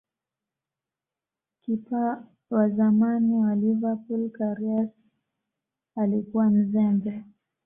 kipa wa zamani wa Liverpool Karius alikuwa mzembe